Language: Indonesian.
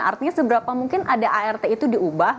artinya seberapa mungkin ada art itu diubah